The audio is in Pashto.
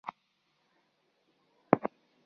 د دولت خزانه ډکه ده؟